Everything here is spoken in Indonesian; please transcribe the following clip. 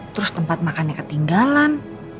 terus tempat makannya ketinggalan